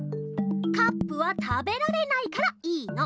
カップは食べられないからいいの。